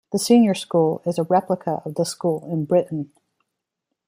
The senior school is a replica of the school in Britain.